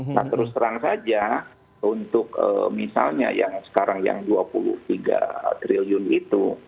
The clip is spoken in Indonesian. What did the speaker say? nah terus terang saja untuk misalnya yang sekarang yang dua puluh tiga triliun itu